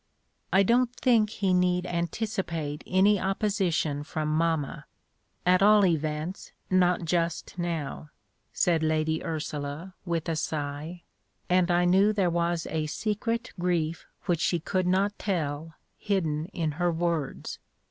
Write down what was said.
"I don't think he need anticipate any opposition from mamma, at all events not just now," said Lady Ursula, with a sigh, and I knew there was a secret grief which she could not tell hidden in her words.